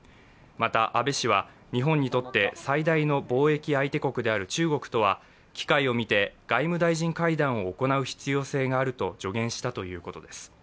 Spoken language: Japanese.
また安倍氏は日本にとって最大の貿易相手国である中国とは、機会を見て、外務大臣会談を行う必要性があると助言したということです。